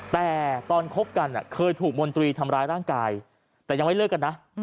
แต่ตอนคบกันเคยถูกมนตรีทำร้ายร่างกายแต่ยังไม่เลิกกันนะ